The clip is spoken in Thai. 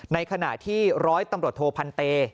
ในขณะที่ร้อยตำรวจโทพันเต